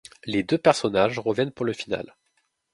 Les deux personnages reviennent pour le final.